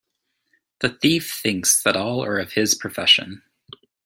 The thief thinks that all are of his profession.